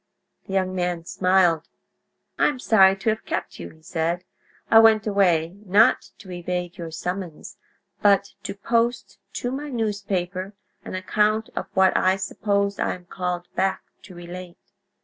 The young man smiled. "I am sorry to have kept you," he said. "I went away, not to evade your summons, but to post to my newspaper an account of what I suppose I am called back to relate."